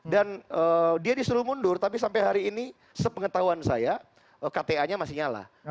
dan dia disuruh mundur tapi sampai hari ini sepengetahuan saya kta nya masih nyala